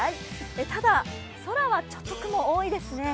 ただ、空はちょっと雲多いですね。